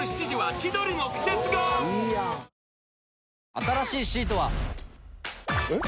新しいシートは。えっ？